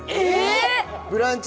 「ブランチ」